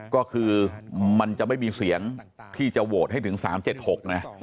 ก็คือมันจะไม่มีเสียงที่จะโหวตให้ถึง๓๗๖นะ